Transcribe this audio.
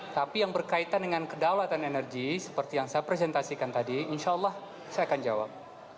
tapi yang berkaitan dengan kedaulatan energi seperti yang saya presentasikan tadi insya allah saya akan jawab